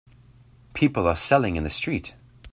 People are selling in the street.